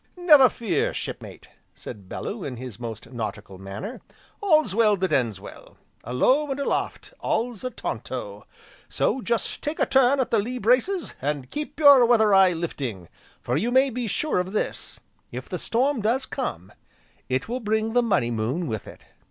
"Never fear, Shipmate!" said Bellew in his most nautical manner, "'all's well that ends well,' a low, and aloft all's a taunto. So just take a turn at the lee braces, and keep your weather eye lifting, for you may be sure of this, if the storm does come, it will bring the Money Moon with it."